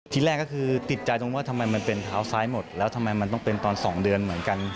ทีแรกก็คือติดใจตรงว่าทำไมมันเป็นเท้าซ้ายหมดแล้วทำไมมันต้องเป็นตอน๒เดือนเหมือนกัน